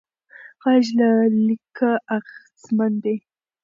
غږ له لیکه اغېزمن دی.